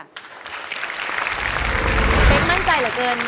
เตรียมมั่นใจเหลือเกิน